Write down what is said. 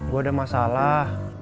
gue ada masalah